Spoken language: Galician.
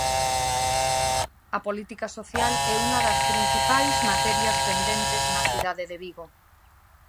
A política social é unha das principais materias pendentes na cidade de Vigo.